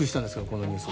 このニュース。